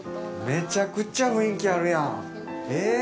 めちゃくちゃ雰囲気あるやん。